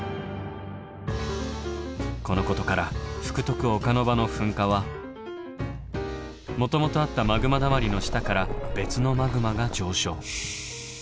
このことから福徳岡ノ場の噴火はもともとあったマグマだまりの下から別のマグマが上昇。